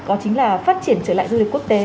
đó chính là phát triển trở lại du lịch quốc tế